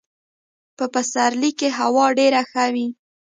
په پسرلي کي هوا ډېره ښه وي .